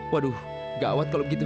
waduh gawat kalau begitu